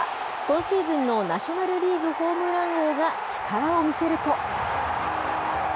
今シーズンのナショナルリーグホームラン王が力を見せると。